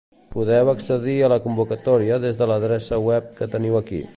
Podeu accedir a la convocatòria des de l'adreça web que teniu aquí.